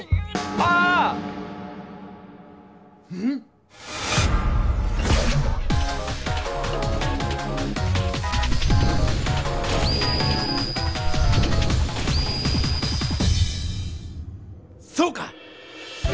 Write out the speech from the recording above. ん⁉そうか！